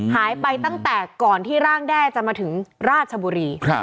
หายไปตั้งแต่ก่อนที่ร่างแด้จะมาถึงราชบุรี